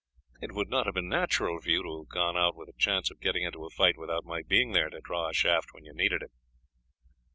It would not have been natural for you to have gone out with a chance of getting into a fight without my being there to draw a shaft when you needed it.